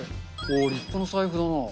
おー、立派な財布だな。